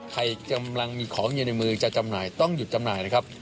ใครกำลังมีของอยู่ในมือจะจำหน่ายต้องหยุดจำหน่ายนะครับ